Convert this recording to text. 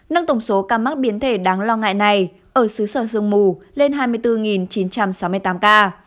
nâng tổng số ca mắc biến thể đáng lo ngại này ở xứ sở sương mù lên hai mươi bốn chín trăm sáu mươi tám ca